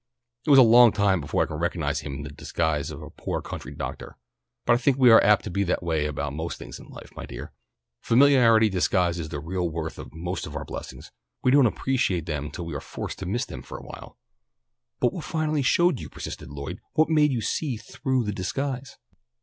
It was a long time before I could recognize him in the disguise of a poor country doctor. But I think we are apt to be that way about most things in life, my dear. Familiarity disguises the real worth of most of our blessings. We don't appreciate them till we are forced to miss them for awhile." "But what finally showed you?" persisted Lloyd. "What made you see through the disguise?"